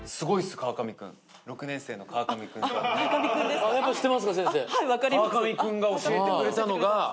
川上君が教えてくれたのが。